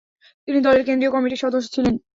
তিনি দলের কেন্দ্রীয় কমিটির সদস্য ছিলেন।